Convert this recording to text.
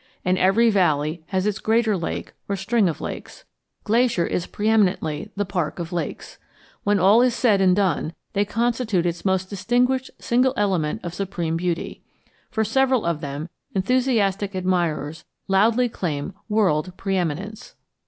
And every valley has its greater lake or string of lakes. Glacier is pre eminently the park of lakes. When all is said and done, they constitute its most distinguished single element of supreme beauty. For several of them enthusiastic admirers loudly claim world pre eminence.